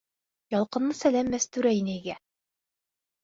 Ялҡынлы сәләм Мәстүрә инәйгә!